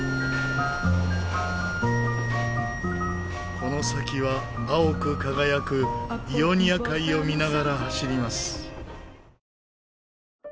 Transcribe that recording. この先は青く輝くイオニア海を見ながら走ります。